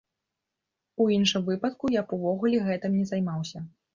У іншым выпадку я б увогуле гэтым не займаўся.